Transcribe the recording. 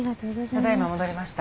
ただいま戻りました。